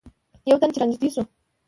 یو تن چې رانږدې شو.